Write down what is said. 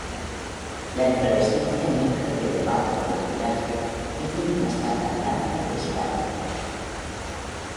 La inflorescencia emerge de debajo del follaje y tiene una espata blanca y espádice.